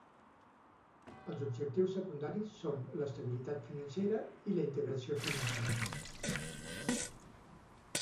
Els objectius secundaris són l'estabilitat financera i la integració financera.